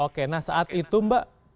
oke nah saat itu mbak